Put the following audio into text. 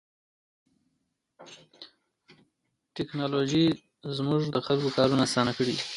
زه چې له کار څخه بيرته راشم نو ځای څو ژوبڼ ته